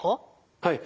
はい。